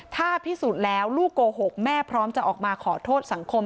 ถ้าพิสูจน์แล้วลูกโกหกแม่พร้อมจะออกมาขอโทษสังคม